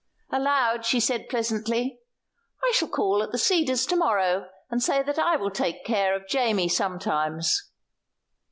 Aloud she said pleasantly, "I shall call at The Cedars to morrow, and say that I will take care of Jamie sometimes."